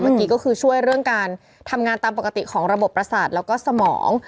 เมื่อกี้ก็คือช่วยเรื่องการทำงานตามปกติของระบบประสาทแล้วก็สมอง